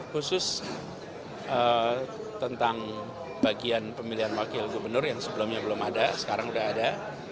khusus tentang bagian pemilihan wakil gubernur yang sebelumnya belum ada sekarang sudah ada